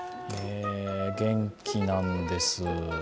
元気なんです。